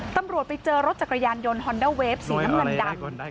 ตำรวจไปเจอรถจักรยานยนต์ฮอนด้าเวฟสีน้ำเงินดำ